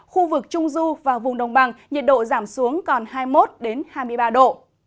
khu vực trung du và vùng đồng bằng nhiệt độ giảm xuống còn hai mươi một hai mươi ba độ